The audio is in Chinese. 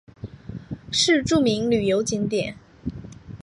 是著名的旅游景点。